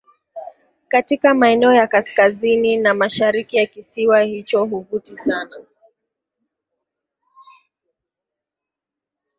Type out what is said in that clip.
katika maeneo ya kaskazini na mashariki ya kisiwa hicho huvuti sana